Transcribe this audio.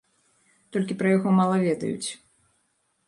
Толькі пра яго мала ведаюць.